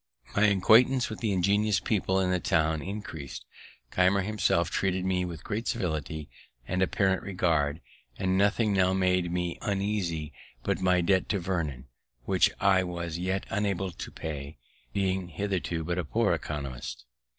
My acquaintance with ingenious people in the town increased. Keimer himself treated me with great civility and apparent regard, and nothing now made me uneasy but my debt to Vernon, which I was yet unable to pay, being hitherto but a poor æconomist.